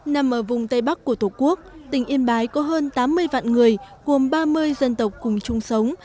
nằm ở vùng tây bắc của tổ quốc tỉnh yên bái có hơn tám mươi vạn người gồm ba mươi dân tộc cùng chung sống